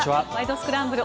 スクランブル」